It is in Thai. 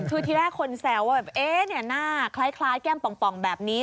คือที่แรกคนแซวว่าแบบหน้าคล้ายแก้มป่องแบบนี้